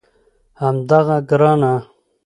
همدغه ګرانه